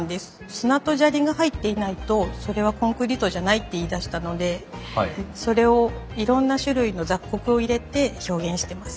砂と砂利が入っていないとそれはコンクリートじゃないって言いだしたのでそれをいろんな種類の雑穀を入れて表現してます。